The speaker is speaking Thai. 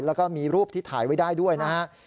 แล้วก็มีรูปที่ถ่ายไว้ได้ด้วยนะฮะ